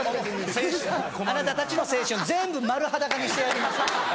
あなたたちの青春全部丸裸にしてやります。